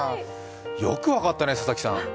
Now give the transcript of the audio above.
よく分かったね、佐々木さん。